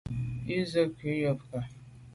Ú sə̂’ nkwé yu nkàb.